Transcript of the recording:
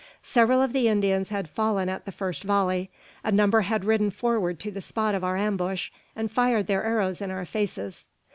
Several of the Indians had fallen at the first volley. A number had ridden forward to the spot of our ambush, and fired their arrows in our faces.